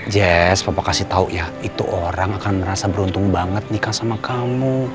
jazz papa kasih tau ya itu orang akan merasa beruntung banget nikah sama kamu